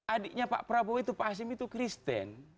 adiknya pak prabowo itu pak hasim itu kristen